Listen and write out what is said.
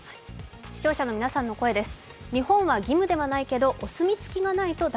視聴者の皆さんの声です。